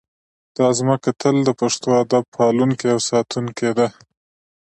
دا ځمکه تل د پښتو ادب پالونکې او ساتونکې وه